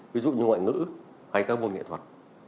ví dụ như ngoại ngữ hay các môn nghệ thuật